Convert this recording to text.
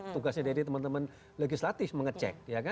tugasnya dari teman teman legislatif mengecek